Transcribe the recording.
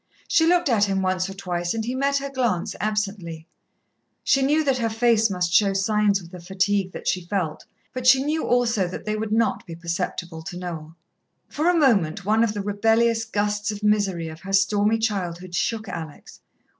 She looked at him once or twice and he met her glance absently. She knew that her face must show signs of the fatigue that she felt, but she knew also that they would not be perceptible to Noel. For a moment, one of the rebellious gusts of misery of her stormy childhood shook Alex.